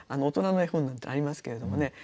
大人の絵本なんていうのがありますけれどもね。